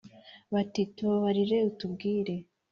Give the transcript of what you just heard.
bati «Tubabarire utubwire,